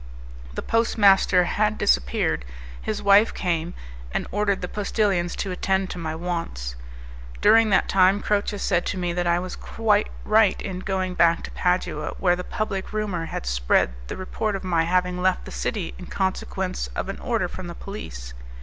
The postmaster had disappeared; his wife came and ordered the postillions to attend to my wants. During that time Croce said to me that I was quite right in going back to Padua, where the public rumour had spread the report of my having left the city in consequence of an order from the police.